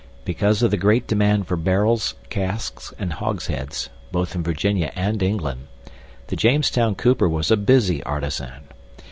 Because of the great demand for barrels, casks, and hogsheads (both in Virginia and England) the Jamestown cooper was a busy artisan.